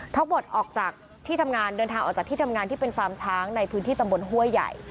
ท็อกบดเดินทางออกจากที่ทำงานที่เป็นฟาร์มช้างในพื้นที่ตำบลห้วยใหญ่